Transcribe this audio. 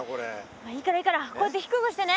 まあいいからいいからこうやって低くしてね。